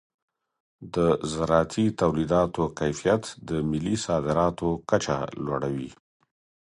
د زراعتي تولیداتو کیفیت د ملي صادراتو کچه لوړوي.